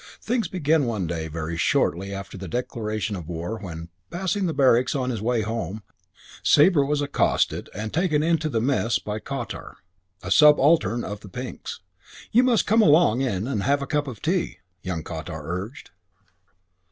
Things began one day very shortly after the declaration of war when, passing the barracks on his way home, Sabre was accosted and taken into the Mess by Cottar, a subaltern of the Pinks. "You must come along in and have a cup of tea," young Cottar urged.